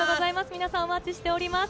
皆さん、お待ちしております。